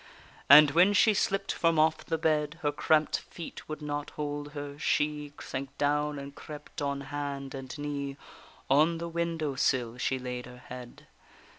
And when she slipp'd from off the bed, Her cramp'd feet would not hold her; she Sank down and crept on hand and knee, On the window sill she laid her head.